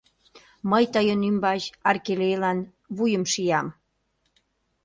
Мый тыйын ӱмбач аркелейлан вуйым шиям!